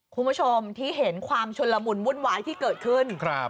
คุณผู้ชมที่เห็นความชุนละมุนวุ่นวายที่เกิดขึ้น